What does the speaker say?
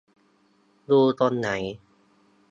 ดูตรงไหน ?